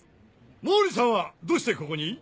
毛利さんはどうしてここに？